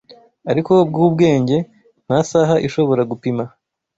ariko bwubwenge, nta saha ishobora gupima